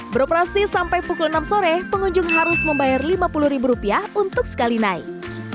beroperasi sampai pukul enam sore pengunjung harus membayar rp lima puluh untuk sekali naik